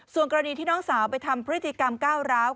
ส่วนกรณีที่น้องสาวไปทำพฤติกรรมก้าวร้าว